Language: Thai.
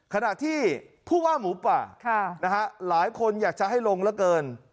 ขณะที่ผู้ว่าหมูป่าหลายคนอยากจะให้ลงเหลือเกิน